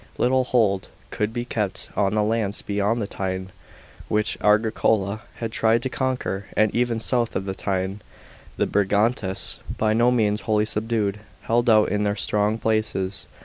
Little hold could be kept on the lands beyond the Tyne, which Agricola had tried to conquer, and even south of the Tyne the Brigantes, by no means wholly subdued, held out in their strong places.